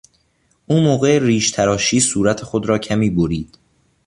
او موقع ریش تراشی صورت خود را کمی برید.